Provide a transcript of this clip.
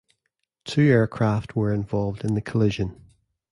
Two aircraft were involved in the collision.